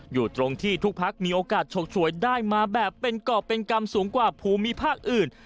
อยู่ตรงที่ทุกพักมีโอกาสฉกฉวยได้มาแบบเป็นกรอบเป็นกรรมสูงกว่าภูมิภาคอื่น